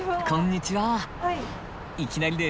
こんにちは。